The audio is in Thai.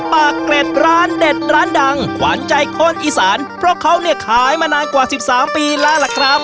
ปากเกร็ดร้านเด็ดร้านดังขวานใจคนอีสานเพราะเขาเนี่ยขายมานานกว่า๑๓ปีแล้วล่ะครับ